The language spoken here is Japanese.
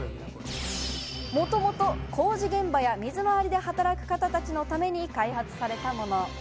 もともと工事現場や水回りで働く方たちのために開発されたもの。